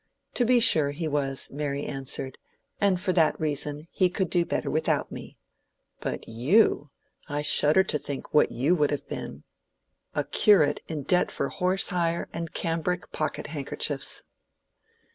"To be sure he was," Mary answered; "and for that reason he could do better without me. But you—I shudder to think what you would have been—a curate in debt for horse hire and cambric pocket handkerchiefs!"